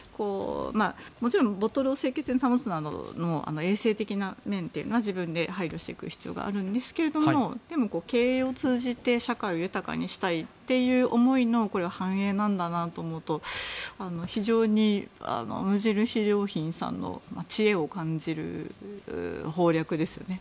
もちろんボトルを清潔に保つなどの衛生的な面などは自分で配慮していく必要があるんですけどもでも、経営を通じて社会を豊かにしたいという思いの反映なんだなと思うと非常に無印良品さんの知恵を感じる方略ですよね。